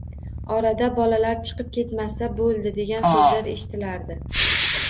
Orada “Bolalar chiqib ketmasa bo‘ldi”, degan so‘zlari eshitilardi